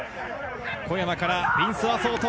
小山からヴィンス